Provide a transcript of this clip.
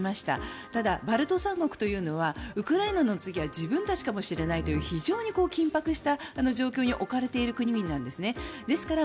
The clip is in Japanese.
ただ、バルト三国というのはウクライナの次は自分たちかもしれないという非常に緊迫した状況に置かれている国々なんです。